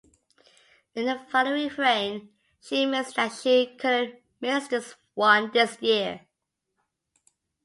In the final refrain, she admits that she "couldn't miss this one this year".